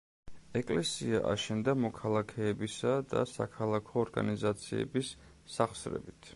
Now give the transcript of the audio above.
ეკლესია აშენდა მოქალაქეებისა და საქალაქო ორგანიზაციების სახსრებით.